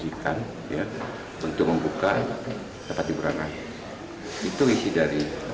itu isi dari